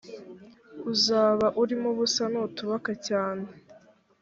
uzaba urimo ubusa nutubaka cyane